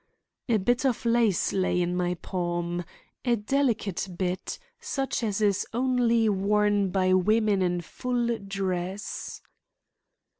A bit of lace lay in my palm, a delicate bit, such as is only worn by women in full dress.